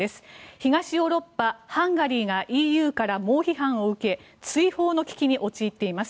東ヨーロッパ、ハンガリーがＥＵから猛批判を受け追放の危機に陥っています。